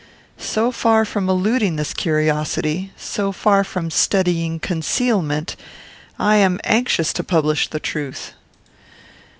So far from eluding this curiosity, so far from studying concealment, I am anxious to publish the truth."